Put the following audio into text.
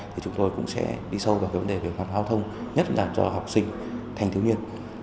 thì chúng tôi cũng sẽ đi sâu vào cái vấn đề về hoạt hóa thông nhất là cho học sinh thanh thiếu nhiên